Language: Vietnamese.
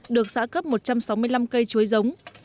được xã cấp một trăm sáu mươi năm cây chuối giống